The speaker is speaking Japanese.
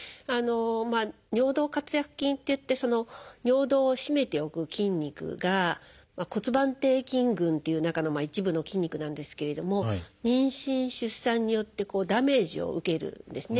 尿道括約筋っていって尿道を締めておく筋肉が骨盤底筋群っていう中の一部の筋肉なんですけれども妊娠出産によってダメージを受けるんですね。